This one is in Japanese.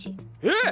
えっ！？